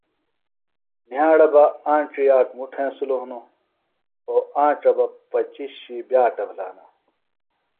نِھیاڑے بہ آنڇیۡ آک مُٹ ہینسلوۡ ہنوۡ اوۡ آنڇہ بہ پچیۡ شی بائٹہ بِھلہ ہنہ